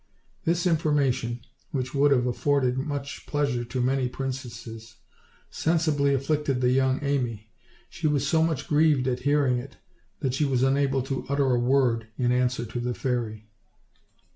This information, which would have afforded much pleasure to many princesses, sensibly afflicted the young Amy; she was so much grieved at hearing it that she was unable to utter a word in answer to the fairy.